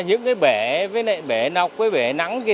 những cái bể bể nọc bể nắng kia